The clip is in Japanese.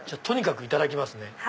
とにかくいただきますね。